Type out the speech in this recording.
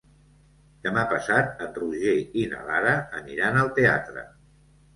Demà passat en Roger i na Lara aniran al teatre.